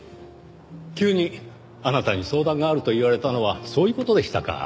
急にあなたに相談があると言われたのはそういう事でしたか。